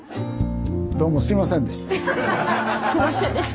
どうもすみませんでした。